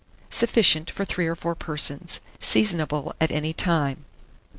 Sufficient for 3 or 4 persons. Seasonable at any time.